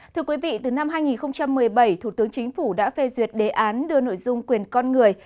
thưa quý vị từ năm hai nghìn một mươi bảy thủ tướng chính phủ đã phê duyệt đề án đưa nội dung quyền con người